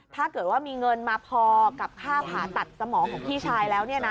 ถ้าเกิดว่ามีเงินมาพอกับค่าผ่าตัดสมองของพี่ชายแล้ว